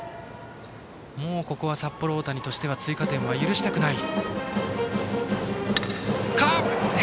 もう、ここは札幌大谷としては追加点は許したくない。